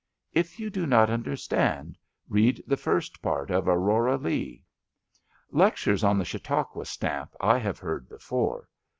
If you do not under stand, read the first part of Aurora Leigh. Lec tures on the Chautauqua stamp I have heard be fore.